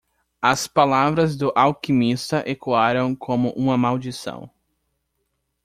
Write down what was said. As palavras do alquimista ecoaram como uma maldição.